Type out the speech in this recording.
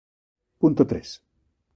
Punto tres.